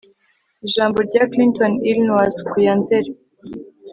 Ijambo rya Clinton Illinois ku ya Nzeri